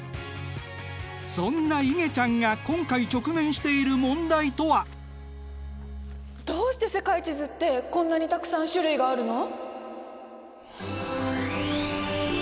そんないげちゃんが今回直面している問題とは？どうして世界地図ってこんなにたくさん種類があるの！？